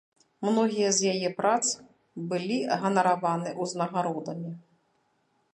Многія з яе прац былі ганараваны ўзнагародамі.